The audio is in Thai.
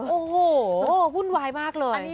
โอ้โหวุ่นวายมากเลย